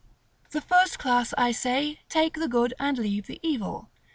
§ LII. The first class, I say, take the good and leave the evil.